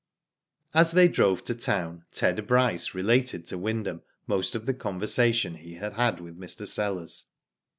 As they drove to town, Ted Bryce relatcfd to Wyndham most of the conversation he had with Mr. Sellers.